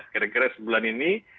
kira kira sebulan ini